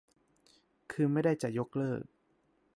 คือไม่ได้จะยกเลิก